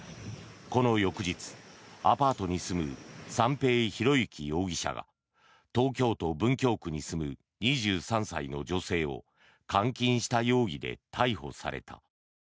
この翌日、アパートに住む三瓶博幸容疑者が東京都文京区に住む２３歳の女性を監禁した容疑で逮捕された。